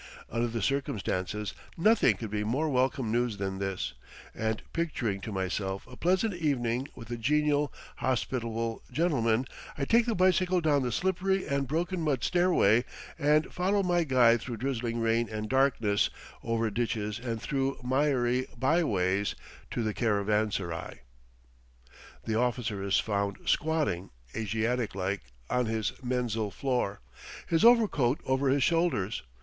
Under the circumstances nothing could be more welcome news than this; and picturing to myself a pleasant evening with a genial, hospitable gentleman, I take the bicycle down the slippery and broken mud stairway, and follow my guide through drizzling rain and darkness, over ditches and through miry byways, to the caravanserai. The officer is found squatting, Asiatic like, on his menzil floor, his overcoat over his shoulders.